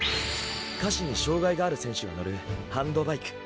下肢に障がいがある選手が乗るハンドバイク。